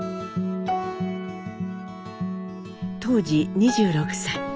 当時２６歳。